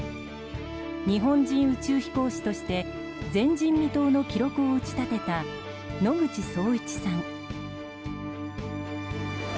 日本人宇宙飛行士として前人未到の記録を打ち立てた野口聡一さん。